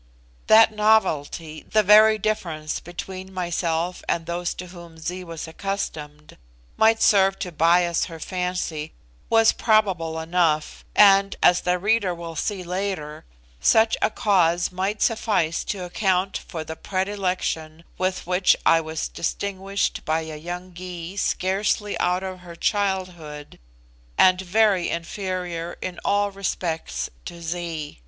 That novelty, the very difference between myself and those to whom Zee was accustomed, might serve to bias her fancy was probable enough, and as the reader will see later, such a cause might suffice to account for the predilection with which I was distinguished by a young Gy scarcely out of her childhood, and very inferior in all respects to Zee.